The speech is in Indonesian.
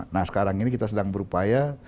nah sekarang ini kita sedang berupaya